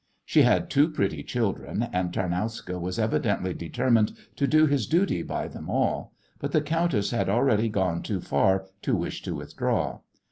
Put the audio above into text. She had two pretty children, and Tarnowska was evidently determined to do his duty by them all, but the countess had already gone too far to wish to withdraw.